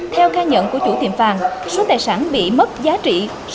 theo khai nhận của chủ tiệm vàng số tài sản bị mất giá trị